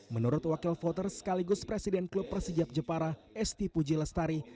menurut wakil voter sekaligus presiden klub persijap jepara esti puji lestari